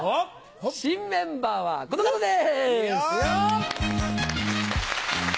新メンバーはこの方です。